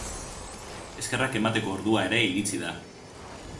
Eskerrak emateko ordua ere iritsi da.